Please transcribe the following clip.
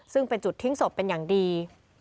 ซึ่งเป็นจุดทิ้งศพเป็นอย่างดี